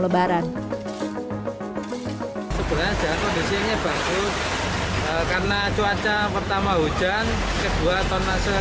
lebaran sebenarnya jalan kondisinya bangkrut karena cuaca pertama hujan kedua ton nasional